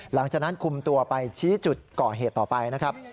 หลังจากนั้นคุมตัวไปชี้จุดก่อเหตุต่อไปนะครับ